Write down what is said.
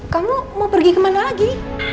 kamu mau pergi kemana lagi